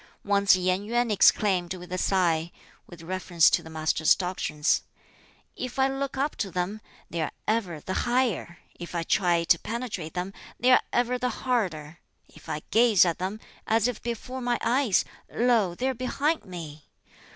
Once Yen Yuen exclaimed with a sigh (with reference to the Master's doctrines), "If I look up to them, they are ever the higher; if I try to penetrate them, they are ever the harder; if I gaze at them as if before my eyes, lo, they are behind me!